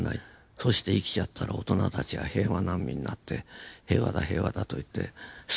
そして生きちゃったら大人たちが平和難民になって平和だ平和だと言ってスキップを踏んでる。